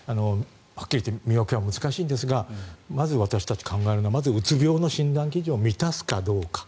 はっきり言って見分けは難しいんですがまず私たちが考えるのはまず、うつ病の診断基準を満たすかどうか。